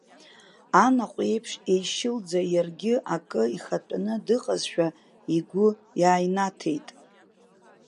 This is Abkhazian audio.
Анаҟә еиԥш еишьылӡа иаргьы акы ихатәаны дыҟазшәа игәы иааинаҭеит.